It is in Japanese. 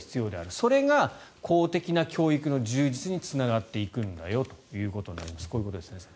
それが公的な教育の充実につながっていくということになります。